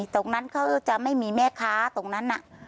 ตรงนั้นเขาจะไม่มีแม่ค้าตรงนั้น